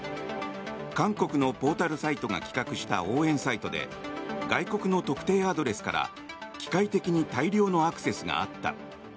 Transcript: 韓国のポータルサイトが企画した応援サイトで外国の特定アドレスから機械的に大量のアクセスがあった。